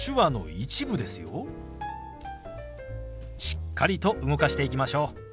しっかりと動かしていきましょう。